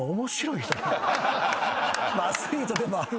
アスリートでもある。